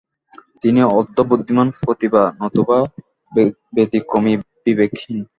তিনি "অর্ধ-বুদ্ধিমান প্রতিভা" নতুবা "ব্যতিক্রমী বিবেকহীন"।